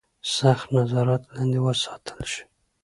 سخت نظارت لاندې وساتل شي.